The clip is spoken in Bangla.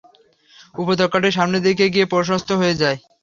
উপত্যকাটি সামনের দিকে গিয়ে প্রশস্ত হয়ে যায়।